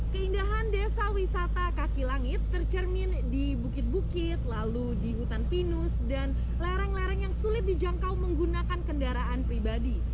keindahan desa wisata kaki langit tercermin di bukit bukit lalu di hutan pinus dan lereng lereng yang sulit dijangkau menggunakan kendaraan pribadi